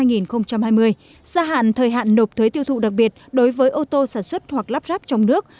giảm thời hạn nộp thuế tiêu thụ đặc biệt đối với ô tô sản xuất hoặc lắp ráp trong nước